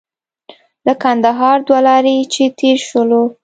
له کندهار دوه لارې چې تېر شولو.